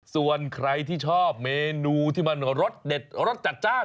ส่วนใครที่ชอบเมนูที่มันรสเด็ดรสจัดจ้าน